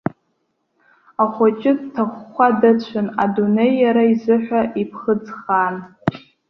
Ахәыҷы дҭахәхәа дыцәан, адунеи иара изыҳәа иԥхыӡхаан.